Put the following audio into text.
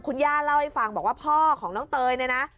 คุณย่าเล่าให้ฟังบอกว่าพ่อของน้องเตยเนี่ยนะ